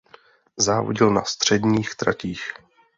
Závodil na středních tratích.